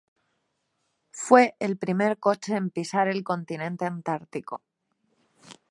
Fue el primer coche en pisar el continente antártico.